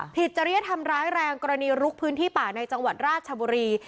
จริยธรรมร้ายแรงกรณีลุกพื้นที่ป่าในจังหวัดราชบุรี